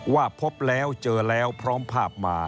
ว่าพบแล้วเจอแล้วพร้อมภาพมา